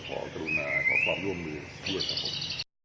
ขอความกรุณาร่วมมือด้วยสังคม